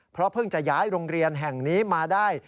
เพราะเพิ่งจะย้ายโรงเรียนแห่งนี้มาได้